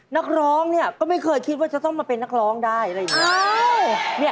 นักร้องเนี่ยก็ไม่เคยคิดว่าจะต้องมาเป็นนักร้องได้อะไรอย่างนี้